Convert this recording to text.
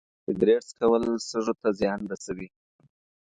سګرټ څکول سږو ته زیان رسوي.